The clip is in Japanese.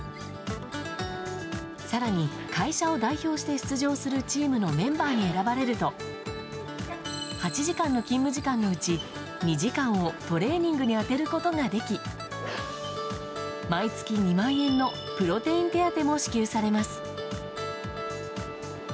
更に、会社を代表して出場するチームのメンバーに選ばれると８時間の勤務時間のうち２時間をトレーニングに充てることができ毎月２万円のプロテイン手当も支給されます。